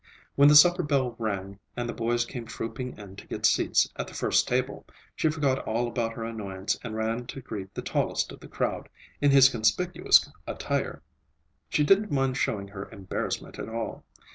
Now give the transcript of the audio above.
When the supper bell rang and the boys came trooping in to get seats at the first table, she forgot all about her annoyance and ran to greet the tallest of the crowd, in his conspicuous attire. She didn't mind showing her embarrassment at all.